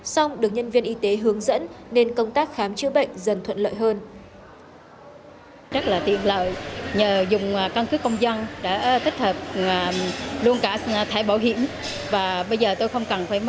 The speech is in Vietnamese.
xong được nhân viên y tế hướng dẫn nên công tác khám chữa bệnh dần thuận lợi hơn